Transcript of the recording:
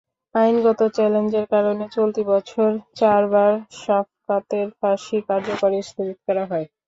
আইনগত চ্যালেঞ্জের কারণে চলতি বছর চারবার শাফকাতের ফাঁসি কার্যকর স্থগিত করা হয়।